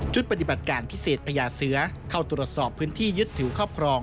ปฏิบัติการพิเศษพญาเสือเข้าตรวจสอบพื้นที่ยึดถือครอบครอง